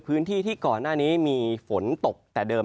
พื้นที่ที่ก่อนหน้านี้มีฝนตกแต่เดิม